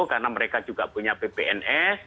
karena mereka juga punya ppns